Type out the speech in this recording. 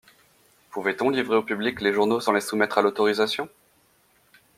Pouvait-on livrer au public les journaux sans les soumettre à l'autorisation?